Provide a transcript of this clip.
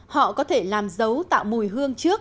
họ có thể làm dấu tạo mùi hương